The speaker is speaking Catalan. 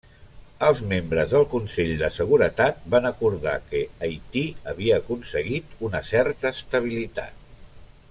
Els membres del Consell de Seguretat van acordar que Haití havia aconseguit una certa estabilitat.